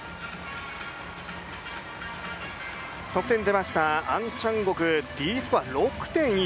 得点でました、アンチャンゴクＤスコア６．１。